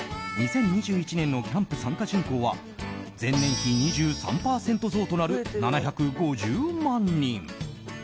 ２０２１年のキャンプ参加人口は前年比２３％増となる７５０万人。